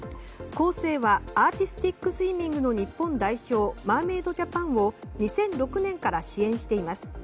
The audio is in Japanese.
コーセーはアーティスティックスイミングの日本代表マーメイドジャパンを２００６年から支援しています。